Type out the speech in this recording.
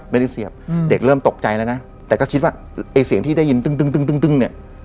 ไม่ได้เสียบอืมเด็กเริ่มตกใจแล้วนะแต่ก็คิดว่าไอ้เสียงที่ได้ยินตึ้งตึ้งตึ้งตึ้งเนี่ย